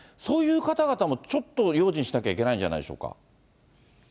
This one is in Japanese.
そういう方々も、ちょっと用心しなきゃいけないんじゃないでしょうか。